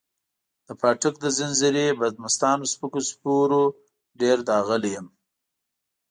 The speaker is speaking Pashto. د پاټک د ځنځیري بدمستانو سپکو سپورو ډېر داغلی یم.